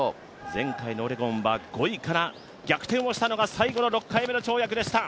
前回のオレゴンは５位から逆転をしたのは最後の６回目の跳躍でした。